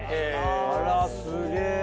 あらっすげえ。